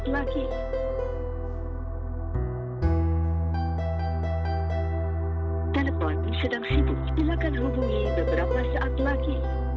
telepon sedang sibuk silakan hubungi beberapa saat lagi